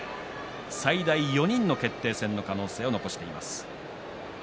最大４人の決定戦の可能性を残しています。